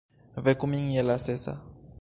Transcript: Veku min je la sesa!